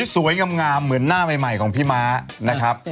สวยงามเหมือนหน้าใหม่ของพี่ม้านะครับ